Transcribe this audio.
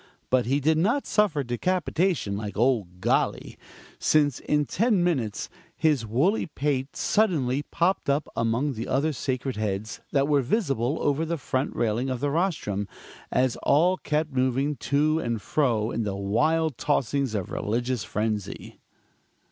But he did not suffer decapitation, like "ole Golly": since in ten minutes, his woolly pate suddenly popped up among the other sacred heads that were visible over the front railing of the rostrum, as all kept moving to and fro in the wild tossings of religious frenzy.